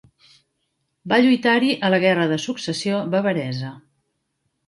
Va lluitar-hi a la Guerra de Successió bavaresa.